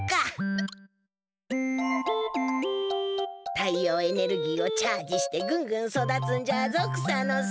太陽エネルギーをチャージしてぐんぐん育つんじゃぞ草ノ助。